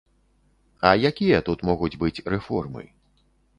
А якія тут могуць быць рэформы?